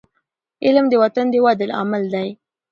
علم د وطن د ودي عامل دی.